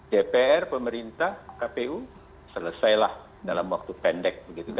dpr pemerintah kpu selesailah dalam waktu pendek